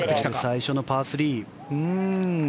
最初のパー３。